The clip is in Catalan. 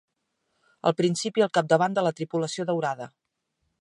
Al principi al capdavant de la tripulació daurada.